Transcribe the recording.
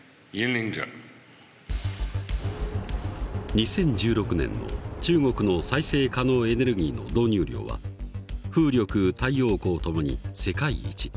２０１６年の中国の再生可能エネルギーの導入量は風力太陽光ともに世界一。